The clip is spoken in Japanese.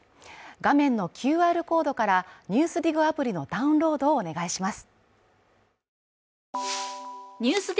画面のＱＲコードから「ＮＥＷＳＤＩＧ」アプリのダウンロードをお願いします。